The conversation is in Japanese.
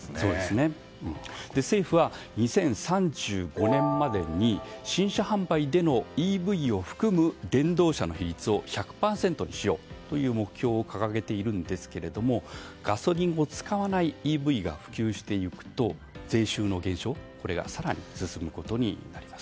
政府は２０３５年までに新車販売でのＥＶを含む電動車の比率を１００％にしようという目標を掲げているんですがガソリンを使わないＥＶが普及していくと税収の減少が更に進むことになります。